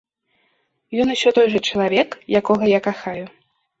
Ён усё той жа чалавек, якога я кахаю.